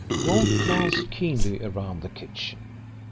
Rolfe glanced keenly around the kitchen.